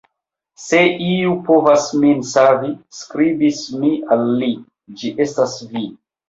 "Se iu povas min savi, skribis mi al li, ĝi estas vi."